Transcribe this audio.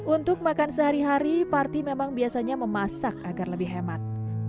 untuk makan sehari hari parti memang biasanya memasak agar lebih hemat